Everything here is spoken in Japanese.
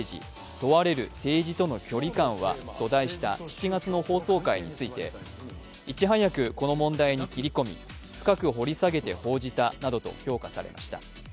問われる政治との距離感は」と題した７月の放送回について、いちはやくこの問題に切り込み深く掘り下げて報じたなどと評価されました。